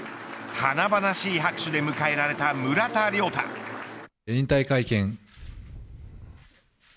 華々しい拍手で迎えられた村田諒太。